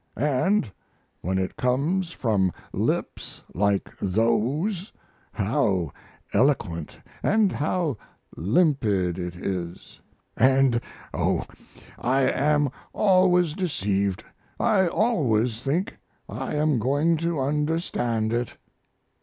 And when it comes from lips like those, how eloquent and how limpid it is! And, oh, I am always deceived I always think I am going to understand it.